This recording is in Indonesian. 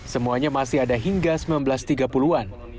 semuanya masih ada hingga seribu sembilan ratus tiga puluh an